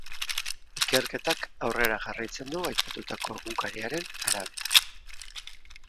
Ikerketak aurrera jarraitzen du, aipatutako egunkariaren arabera.